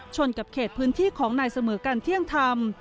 ชนกับเขตพื้นที่ของนายเสมอกันเที่ยงธรรม